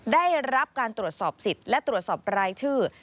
ได้รับการตรวจสอบสิทธิ์และตรวจสอบรายชื่อ